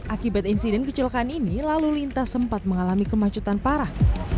akibat insiden kecelakaan ini lalu lintas sempat mengalami kemacetan parah